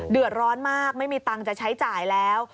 เดือดร้อนมากไม่มีตังค์จะใช้จ่ายแล้ว